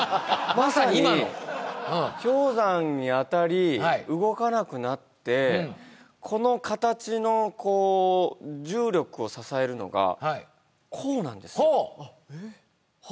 まさに今の氷山に当たり動かなくなってこの形のこう重力を支えるのがこうなんですほう！